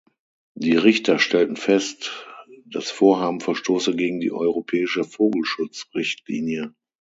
Die Richter stellten fest, das Vorhaben verstoße gegen die europäische Vogelschutzrichtlinie.